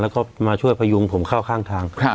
แล้วก็มาช่วยพยุงผมเข้าข้างทาง